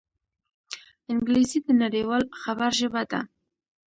انګلیسي د نړيوال خبر ژبه ده